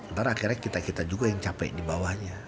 ntar akhirnya kita kita juga yang capek dibawahnya